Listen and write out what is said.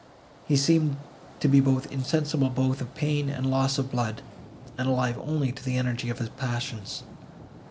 He seemed to be insensible both of pain and loss of blood, and alive only to the energy of his passions.